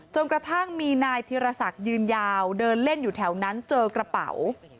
จนกระทั่งมีนายธีรศักดิ์ยืนยาวเดินเล่นอยู่แถวนั้นเจอกระเป๋า